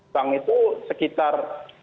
bank itu sekitar